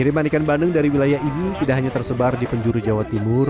kiriman ikan bandeng dari wilayah ini tidak hanya tersebar di penjuru jawa timur